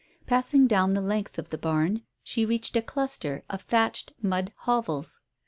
Passing down the length of the barn she reached a cluster of thatched mud hovels.